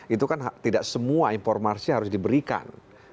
itu kan tidak semua informasi harus diberikan